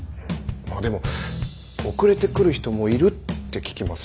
でも遅れて来る人もいるって聞きますし。